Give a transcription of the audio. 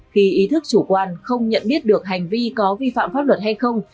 khi ý thức chủ quan không nhận biết được hành vi có vi phạm pháp luật hay không